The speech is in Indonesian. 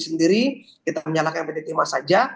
sendiri kita menyalahkan pdt mas saja